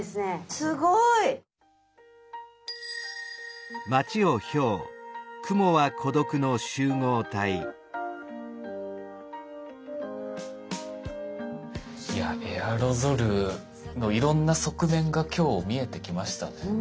すごい！いやエアロゾルのいろんな側面が今日見えてきましたね。